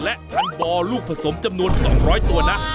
และพันบ่อลูกผสมจำนวน๒๐๐ตัวนะ